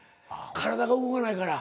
体が動かないから。